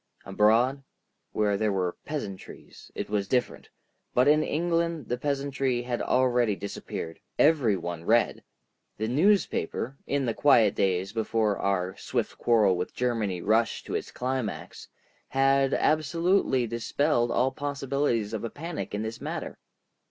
Abroad, where there were peasantries, it was different, but in England the peasantry had already disappeared. Every one read. The newspaper, in the quiet days before our swift quarrel with Germany rushed to its climax, had absolutely dispelled all possibilities of a panic in this matter.